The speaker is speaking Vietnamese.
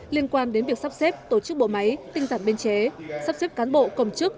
liên quan đến việc sắp xếp tổ chức bộ máy tinh giản biên chế sắp xếp cán bộ công chức